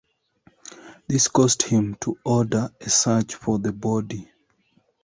This caused him to order a search for the body.